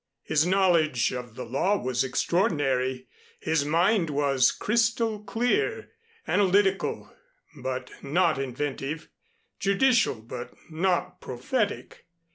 His knowledge of the law was extraordinary. His mind was crystal clear, analytical but not inventive, judicial but not prophetic.